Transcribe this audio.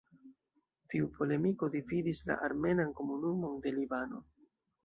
Tiu polemiko dividis la armenan komunumon de Libano.